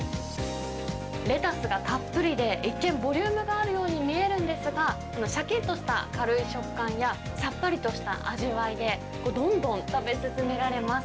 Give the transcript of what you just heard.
レタスがたっぷりで、一見、ボリュームがあるように見えるんですが、しゃきっとした軽い食感や、さっぱりとした味わいで、どんどん食べ進められます。